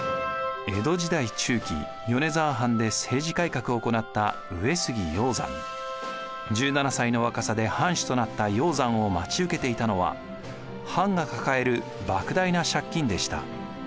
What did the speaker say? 江戸時代中期米沢藩で政治改革を行った１７歳の若さで藩主となった鷹山を待ち受けていたのは藩が抱える莫大な借金でした。